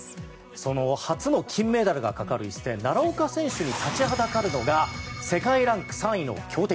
その初の金メダルがかかる一戦奈良岡選手に立ちはだかるのが世界ランク３位の強敵